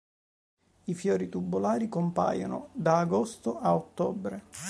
I fiori, tubolari, compaiono da agosto a ottobre.